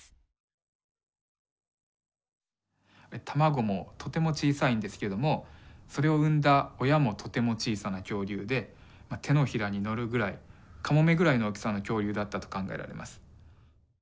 卵もとても小さいんですけどもそれを産んだ親もとても小さな恐竜で手のひらに乗るぐらいカモメぐらいの大きさの恐竜だったと考えられます。